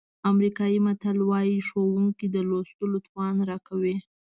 امریکایي متل وایي ښوونکي د لوستلو توان راکوي.